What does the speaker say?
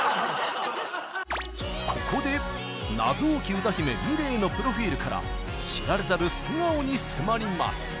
ここで謎多き歌姫ｍｉｌｅｔのプロフィールから知られざる素顔に迫ります。